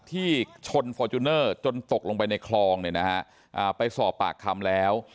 ที่ชนฟอร์จูเนอร์จนตกลงไปในคลองเนี่ยนะฮะไปสอบปากคำแล้ว